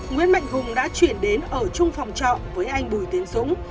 nguyễn mạnh hùng đã chuyển đến ở chung phòng trọ với anh bùi tiến dũng